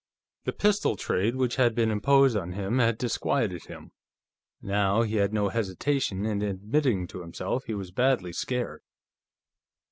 The pistol trade which had been imposed on him had disquieted him; now, he had no hesitation in admitting to himself, he was badly scared.